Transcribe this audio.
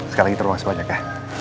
sekali lagi terima kasih banyak ya